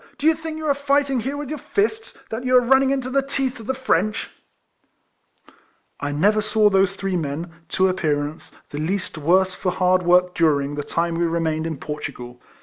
Do you think you are fighting here with your fists, that you are running into the teeth of the French ?" I never saw those three men, to appear ance, the least worse for hard work durino; the time we remained in Portugal.